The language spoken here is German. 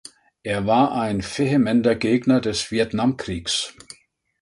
Er war ein vehementer Gegner des Vietnamkriegs.